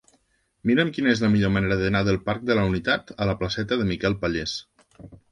Mira'm quina és la millor manera d'anar del parc de la Unitat a la placeta de Miquel Pallés.